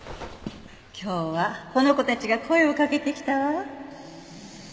今日はこの子たちが声をかけてきたわ。